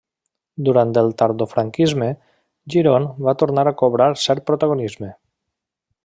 Durant el tardofranquisme, Girón va tornar a cobrar cert protagonisme.